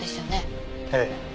ええ。